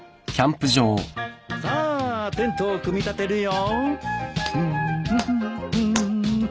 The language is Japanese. さあテントを組み立てるよ。